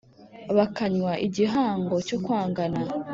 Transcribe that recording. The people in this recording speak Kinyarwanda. bakanywa igihango cyo kwangana